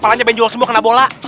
apalagi benjung semua kena bola